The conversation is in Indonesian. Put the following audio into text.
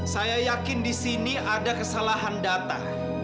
saya yakin di sini ada kesalahan data